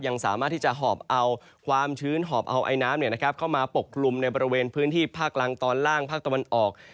ยังสามารถที่จะหอบเอาความชื้นหอบเอาไอน้ำเข้ามาปกคลุมในบริเวณพื้นที่ภาคกลางตอนล่างภาคตะวันออก